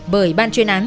bởi ban chuyên án